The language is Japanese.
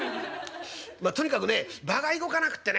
まあとにかくね場が動かなくってね